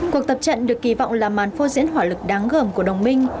cuộc tập trận được kỳ vọng là màn phô diễn hỏa lực đáng gồm của đồng minh